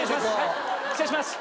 失礼します。